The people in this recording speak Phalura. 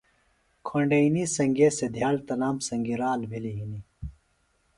کھݨئنی سنگِیے سےۡ دِھیاڑ تنام سنگیۡ رال بھِلیۡ ہِنیۡ